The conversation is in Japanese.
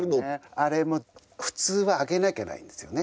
あれも普通はあげなきゃないんですよね。